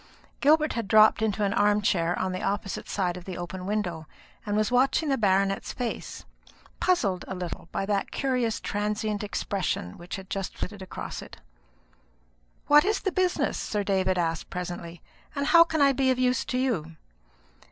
Gilbert had dropped into an arm chair on the opposite side of the open window, and was watching the baronet's face, puzzled a little by that curious transient expression which had just flitted across it. "What is the business?" Sir David asked presently; "and how can I be of use to you?"